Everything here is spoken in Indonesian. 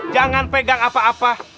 jangan pegang apa apa